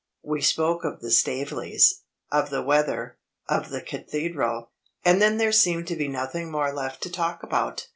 We spoke of the Staveleys, of the weather, of the Cathedral and then there seemed to be nothing more left to talk about.